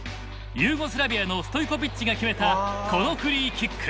ユーゴスラビアのストイコビッチが決めたこのフリーキック。